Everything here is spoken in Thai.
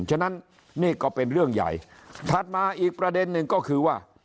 ฉะนั้นนี่ก็เป็นเรื่องใหญ่ถัดมาอีกประเด็นหนึ่งก็คือว่า